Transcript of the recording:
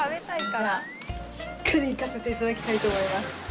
じゃあしっかりいかせていただきたいと思います。